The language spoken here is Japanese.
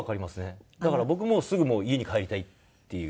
だから僕もすぐもう家に帰りたいっていう。